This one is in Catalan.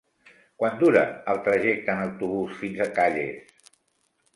Quant dura el trajecte en autobús fins a Calles?